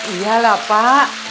iya lah pak